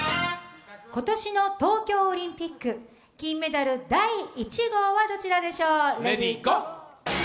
今年の東京オリンピック金メダル第１号はどちらでしょう。